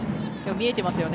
見えてますよね。